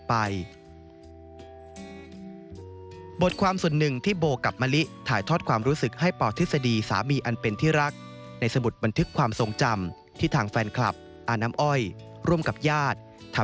พ่อปจ๋าจะอยู่ในหัวใจของทั้งสองดวงนี้ตลอด